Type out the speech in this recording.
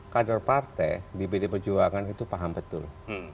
kadur partai di pdip perjuangan itu paham betul